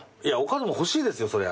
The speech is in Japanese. いやお金も欲しいですよ